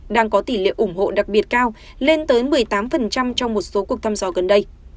đang có tỷ lệ ủng hộ đặc biệt cao lên tới một mươi tám trong một số cuộc thăm dò gần đây